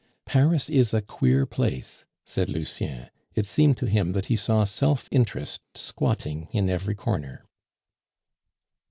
"Paris is a queer place," said Lucien; it seemed to him that he saw self interest squatting in every corner.